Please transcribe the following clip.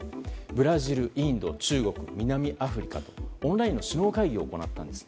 ブラジル、インド、中国南アフリカでオンラインで首脳会議を行ったんです。